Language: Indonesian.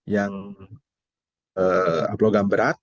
yang ablogam berat